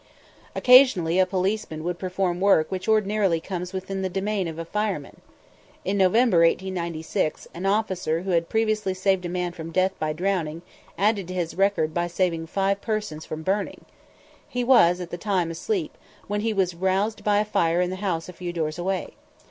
Occasionally a policeman would perform work which ordinarily comes within the domain of the fireman. In November, 1896, an officer who had previously saved a man from death by drowning added to his record by saving five persons from burning. He was at the time asleep, when he was aroused by a fire in a house a few doors away.